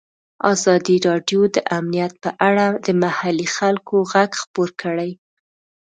ازادي راډیو د امنیت په اړه د محلي خلکو غږ خپور کړی.